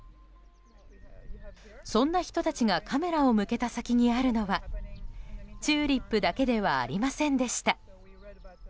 そんな人たちがカメラを向けた先にあるのはチューリップだけではありませんでした。